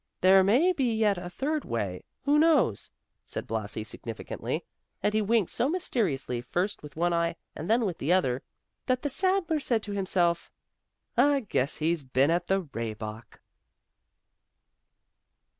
"There may be yet a third way; who knows?" said Blasi, significantly, and he winked so mysteriously first with one eye and then with the other, that the saddler said to himself, "I guess he's been at the Rehbock."